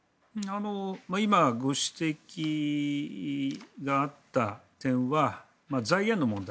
今、ご指摘があった点は財源の問題